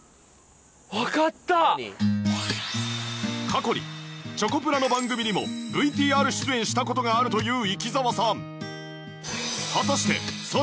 過去にチョコプラの番組にも ＶＴＲ 出演した事があるという生澤さん